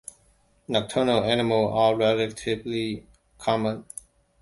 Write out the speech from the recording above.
Nocturnal animals are relatively common.